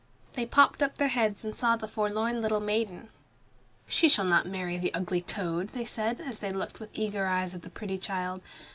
They popped up their heads and saw the forlorn little maiden. "She shall not marry the ugly toad," they said, as they looked with eager eyes at the pretty child.